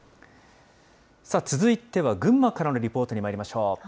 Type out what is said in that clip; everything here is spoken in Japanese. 続いては、群馬からのリポートにまいりましょう。